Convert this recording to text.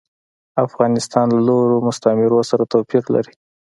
افغانستان له نورو مستعمرو سره توپیر لري.